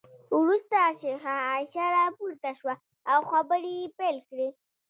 وروسته شیخه عایشه راپورته شوه او خبرې یې پیل کړې.